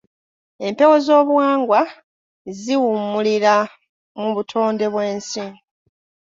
Empewo ez’obuwangwa ziwummulira mu butonde bw’ensi.